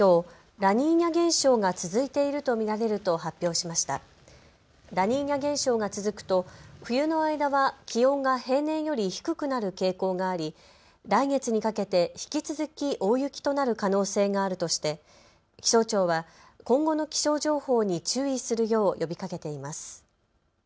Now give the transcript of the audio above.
ラニーニャ現象が続くと冬の間は気温が平年より低くなる傾向があり、来月にかけて引き続き大雪となる可能性があるとして気象庁は今後の気象情報に注意するよう呼びかけています。